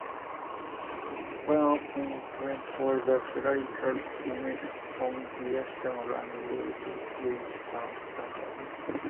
When open, queuing for the ferry causes significant congestion around Woolwich town centre.